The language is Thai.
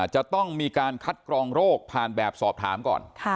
จะต้องมีการคัดกรองโรคผ่านแบบสอบถามก่อน